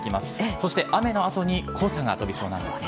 そして、雨の後に黄砂が飛びそうなんです。